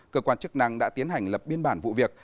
cơ quan chức năng đã tiến hành lập biên bản vụ việc